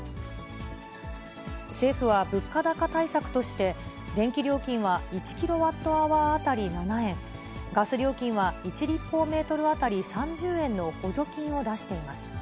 政府は物価高対策として、電気料金は１キロワットアワー当たり７円、ガス料金は１立方メートル当たり３０円の補助金を出しています。